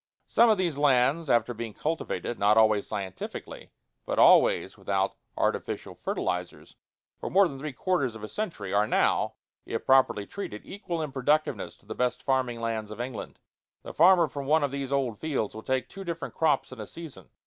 Some of these lands after being cultivated, not always scientifically, but always without artificial fertilizers, for more than three quarters of a century, are now, if properly treated, equal in productiveness to the best farming lands of England. The farmer from one of these old fields will take two different crops in a season.